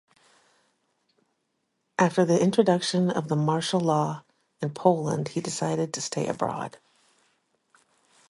After the introduction of the Martial Law in Poland he decided to stay abroad.